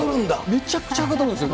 めちゃくちゃはかどるんですよ。